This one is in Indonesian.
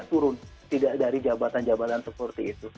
turun tidak dari jabatan jabatan seperti itu